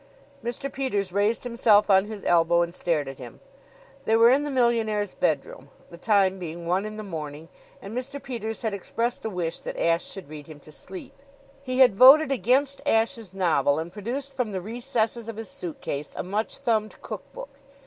Mr. Peters raised himself on his elbow and stared at him. They were in the millionaire's bedroom, the time being one in the morning, and Mr. Peters had expressed a wish that Ashe should read him to sleep. He had voted against Ashe's novel and produced from the recesses of his suitcase a much thumbed cookbook.